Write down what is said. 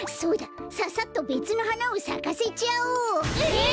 さっさとべつのはなをさかせちゃおう！え！？